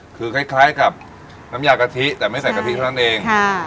คือคล้ายกับน้ำยากะทิแต่ไม่ใส่กะทิเท่านั้นเอง